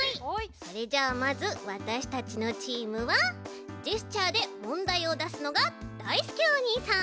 それじゃあまずわたしたちのチームはジェスチャーでもんだいをだすのがだいすけおにいさん！